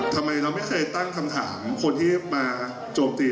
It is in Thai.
ทำไมเราไม่เคยตั้งคำถามคนที่มาโจมตี